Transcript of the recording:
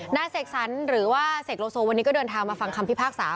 หน้าเศษรสันหรือว่าเศษรโลโซวันนี้ก็เดินทางมาฟังคำพิพากษา